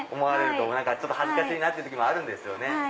ちょっと恥ずかしいなって時もあるんですよね。